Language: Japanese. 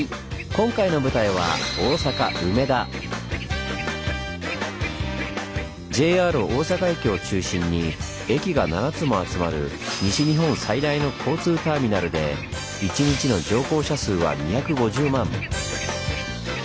今回の舞台はＪＲ大阪駅を中心に駅が７つも集まる西日本最大の交通ターミナルで一日の乗降者数は２５０万。